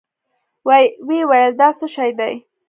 ويې ويل دا څه شې دي؟